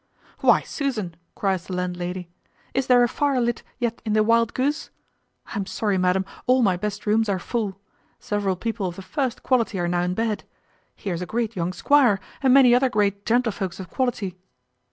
"Why, Susan," cries the landlady, "is there a fire lit yet in the Wild goose? I am sorry, madam, all my best rooms are full. Several people of the first quality are now in bed. Here's a great young squire, and many other great gentlefolks of quality."